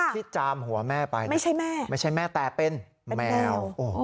ที่จามหัวแม่ไปไม่ใช่แม่แต่เป็นแมว